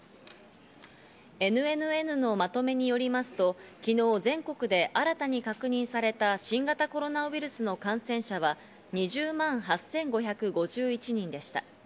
ＮＮＮのまとめによりますと、昨日、全国で新たに確認された新型コロナウイルスの感染者は２０万８５５１人でした。